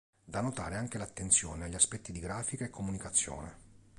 Da notare anche l'attenzione agli aspetti di grafica e comunicazione.